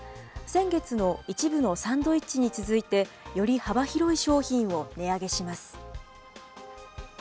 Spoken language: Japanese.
先月の一部のサンドイッチに続いて、より幅広い商品を値上げします。